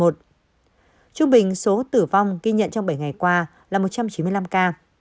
trung bình số tử vong ghi nhận trong bảy ngày qua là một trăm chín mươi năm ca